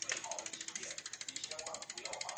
早安少女组。